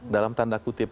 dalam tanda kutip